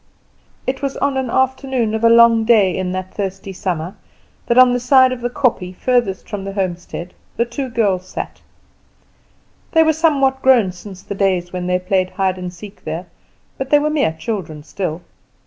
It was on an afternoon of a long day in that thirsty summer, that on the side of the kopje furthest from the homestead the two girls sat. They were somewhat grown since the days when they played hide and seek there, but they were mere children still.